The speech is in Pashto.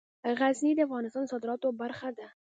غزني د افغانستان د صادراتو برخه ده.